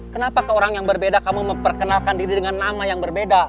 kenapa ke orang yang berbeda kamu memperkenalkan diri dengan nama yang berbeda